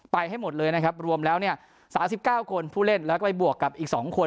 ให้หมดเลยนะครับรวมแล้วเนี่ย๓๙คนผู้เล่นแล้วก็ไปบวกกับอีก๒คน